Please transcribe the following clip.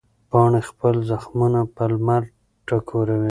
پاڼه خپل زخمونه په لمر ټکوروي.